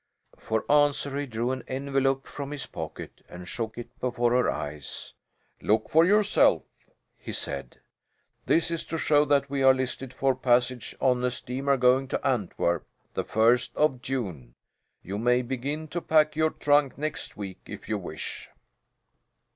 For answer he drew an envelope from his pocket and shook it before her eyes. "Look for yourself," he said. "This is to show that we are listed for passage on a steamer going to Antwerp the first of June. You may begin to pack your trunk next week, if you wish."